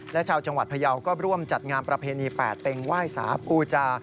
และชาวจังหวัดพยาวก็ร่วมจัดงานประเพณีแปดเป็งไหว้สาปูจา